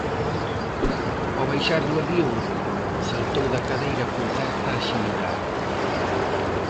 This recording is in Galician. Ao baixar do avión, saltou da cadeira con certa axilidade.